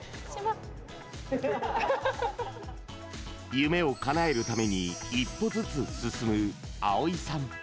夢をかなえるために一歩ずつ進む碧泉さん。